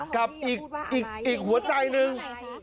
กับอีกหัวใจหนึ่ง